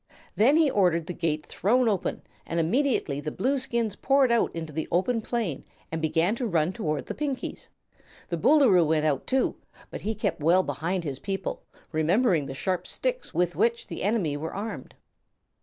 Then he ordered the gate thrown open and immediately the Blueskins poured out into the open plain and began to run toward the Pinkies. The Boolooroo went out, too, but he kept well behind his people, remembering the sharp sticks with which the enemy were armed.